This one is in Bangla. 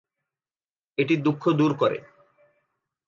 এটি দুঃখ দূর করে।